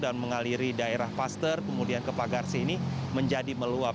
dan mengaliri daerah paster kemudian ke pagarsi ini menjadi meluap